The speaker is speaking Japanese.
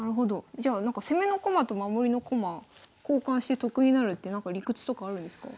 じゃあなんか攻めの駒と守りの駒交換して得になるってなんか理屈とかあるんですか？